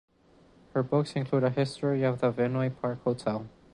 Her books include a history of the Vinoy Park Hotel.